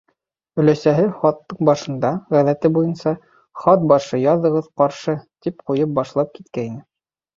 Өләсәһе хаттың башында, ғәҙәте буйынса: «Хат башы, яҙығыҙ ҡаршы!» тип ҡуйып башлап киткәйне.